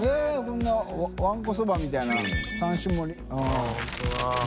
こんなわんこそばみたいな絢鐇垢おっ。